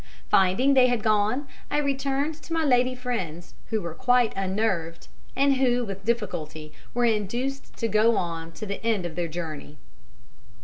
Finding they had gone, I returned to my lady friends, who were quite unnerved, and who, with difficulty, were induced to go on to the end of their journey."